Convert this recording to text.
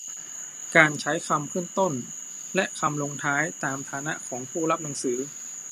การใช้คำขึ้นต้นและคำลงท้ายตามฐานะของผู้รับหนังสือ